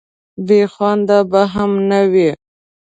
بې خونده به هم نه وي.